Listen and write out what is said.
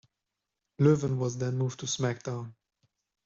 Loewen was then moved to SmackDown!